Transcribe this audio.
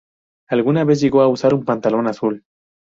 Alguna vez llegó a usar un pantalón azul.